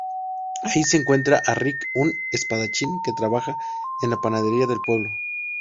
Ahí se encuentra a Rick, un espadachín que trabaja en la panadería del pueblo.